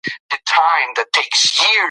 خلک له یو بل سره متقابل عمل کوي.